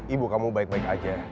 ibu kamu baik baik aja